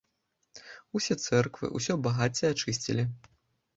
Усе цэрквы, усё багацце ачысцілі.